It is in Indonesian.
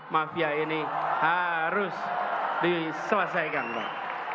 mafia ini harus diselesaikan pak